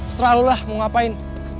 terserah lu lah mau ngapain